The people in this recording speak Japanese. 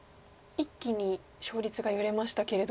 一気に勝率が揺れましたけれど。